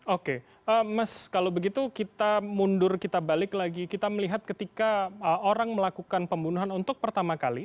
oke mas kalau begitu kita mundur kita balik lagi kita melihat ketika orang melakukan pembunuhan untuk pertama kali